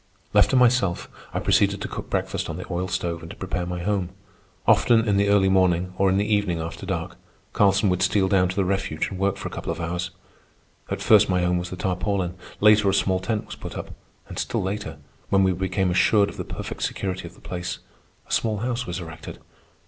Left to myself, I proceeded to cook breakfast on the oil stove and to prepare my home. Often, in the early morning, or in the evening after dark, Carlson would steal down to the refuge and work for a couple of hours. At first my home was the tarpaulin. Later, a small tent was put up. And still later, when we became assured of the perfect security of the place, a small house was erected.